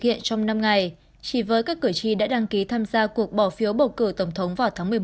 hiện trong năm ngày chỉ với các cử tri đã đăng ký tham gia cuộc bỏ phiếu bầu cử tổng thống vào tháng